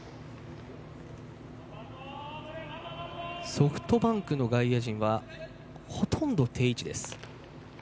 ソフトバンクの外野陣ほとんど定位置。